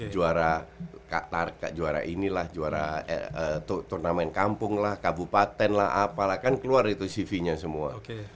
juara katar juara inilah juara turnamen kampung lah kabupaten lah apa lah kan keluar itu cv nya semua